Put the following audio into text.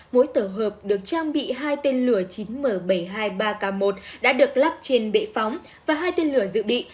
mỗi tổ hợp được trang bị hai tên lửa chín m bảy mươi hai ba k một đã được lắp trên bệ phóng và hai tên lửa dự bị